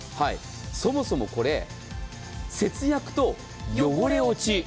そもそもこれ、節約と汚れ落ち。